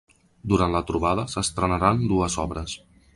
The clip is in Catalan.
Durant la trobada, s’estrenaran dues obres.